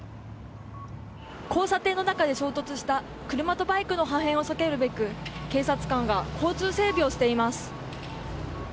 交差点の中で衝突した車とバイクの破片を避けるべく警察官が交通整備をしています。